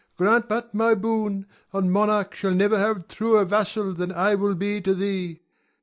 Grant but my boon, and monarch shall never have a truer vassal than I will be to thee.